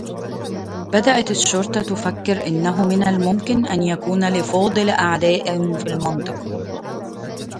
بدأت الشّرطة تفكّر أنّه من الممكن أن يكون لفاضل أعداء في المنطقة.